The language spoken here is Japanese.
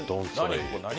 何？